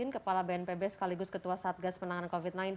kepala bnpb sekaligus ketua satgas penanganan covid sembilan belas